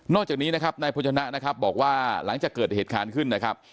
จากนี้นะครับนายโภชนะนะครับบอกว่าหลังจากเกิดเหตุการณ์ขึ้นนะครับ